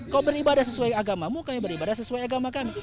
kau beribadah sesuai agamamu kami beribadah sesuai agamakamu